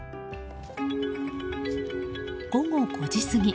午後５時過ぎ。